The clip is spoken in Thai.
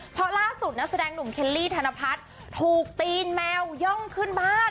เพราะล่าสุดนักแสดงหนุ่มเคลลี่ธนพัฒน์ถูกตีนแมวย่องขึ้นบ้าน